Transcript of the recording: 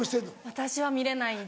私は見れないんですよ。